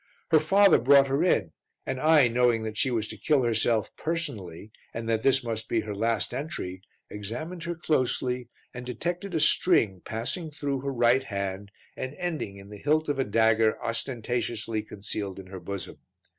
Her father brought her in and I, knowing that she was to kill herself personally and that this must be her last entry, examined her closely and detected a string passing through her right hand and ending in the hilt of a dagger ostentatiously concealed in her bosom.